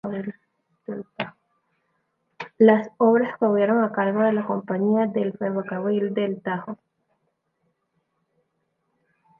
Las obras corrieron a cargo de la Compañía del Ferrocarril del Tajo.